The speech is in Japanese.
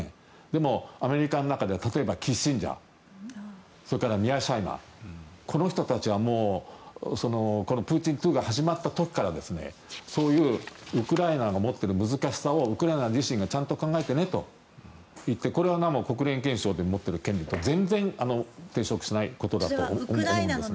でも、アメリカの中では例えばキッシンジャーこの人たちはプーチン２が始まった時からそういうウクライナの持っている難しさをウクライナ自身がちゃんと考えてねといってこれを国連憲章で持ってる権利と全然合わないことだと思うんです。